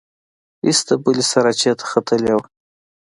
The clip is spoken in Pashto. ایسته بلې سراچې ته ختلې وه.